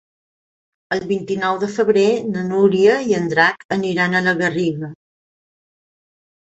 El vint-i-nou de febrer na Núria i en Drac aniran a la Garriga.